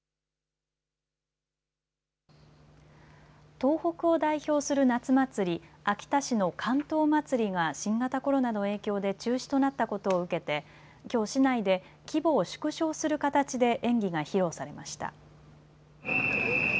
東北を代表する夏祭り、秋田市の竿燈まつりが新型コロナの影響で中止となったことを受けてきょう市内で規模を縮小する形で演技が披露されました。